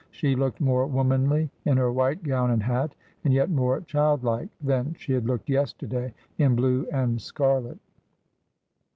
She looked more womanly in her white gown and hat — and yet more child like — than she had looked yesterday in blue and scarlet.